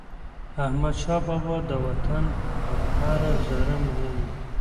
احمدشاه بابا د وطن پر هره ذره میین و.